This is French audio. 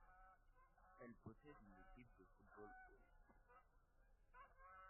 Elle possède une équipe de football aussi.